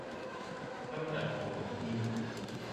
今日好好天